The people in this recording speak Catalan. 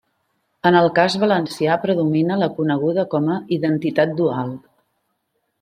En el cas valencià predomina la coneguda com a «identitat dual».